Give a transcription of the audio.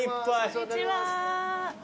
こんにちは。